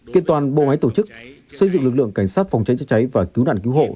kiện toàn bộ máy tổ chức xây dựng lực lượng cảnh sát phòng cháy chữa cháy và cứu nạn cứu hộ